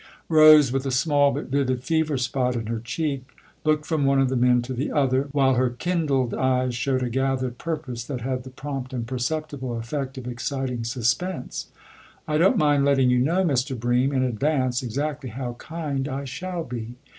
Rose, with a small but vivid fever spot in her cheek, looked from one of the men to the other, while her kindled eyes showed a gathered purpose that had the prompt and perceptible effect of exciting suspense. " I don't mind letting you know, Mr. Bream, in advance exactly how kind I shall be.